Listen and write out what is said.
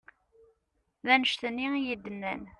D annect-nni i yi-d-nnan.